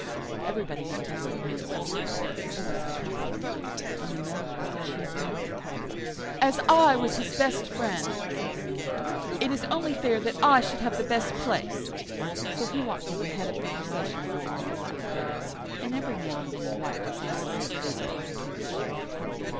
"Everybody went to little Hans' funeral, as he was so popular, and the Miller was the chief mourner. "'As I was his best friend,' said the Miller, 'it is only fair that I should have the best place'; so he walked at the head of the procession in a long black cloak, and every now and then he wiped his eyes with a big pocket handkerchief.